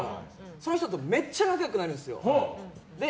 その人とめっちゃ仲良くなるんですよ。